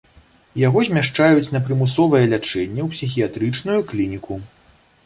Яго змяшчаюць на прымусовае лячэнне ў псіхіятрычную клініку.